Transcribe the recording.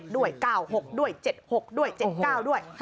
ด้วย๙๖ด้วย๗๖ด้วย๗๙ด้วย